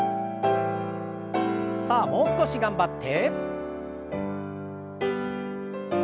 さあもう少し頑張って。